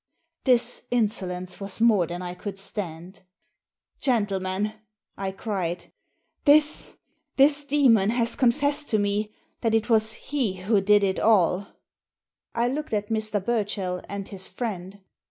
This insolence was more than I could stand. " Gentlemen," I cried, " this — this demon has con fessed to me that it was he who did it all." I looked at Mr. Burchell and his friend.